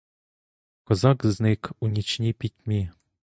Козак зник у нічній пітьмі.